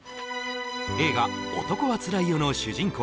映画「男はつらいよ」の主人公